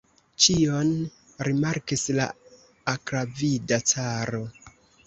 Ĉion rimarkis la akravida caro!